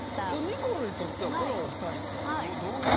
ニコルにとってはこのお２人っていうのはどういう。